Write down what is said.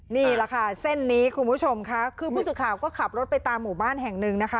นี่แหละค่ะเส้นนี้คุณผู้ชมค่ะคือผู้สื่อข่าวก็ขับรถไปตามหมู่บ้านแห่งหนึ่งนะคะ